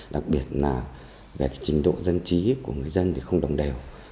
đặc biệt là về trình độ dân trí của người dân thì không đồng đều